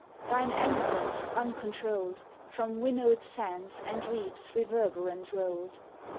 Thine anthems uncontrolled, From winnowed sands and reefs reverberant rolled.